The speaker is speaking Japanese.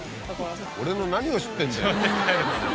俺の何を知ってるんだよ。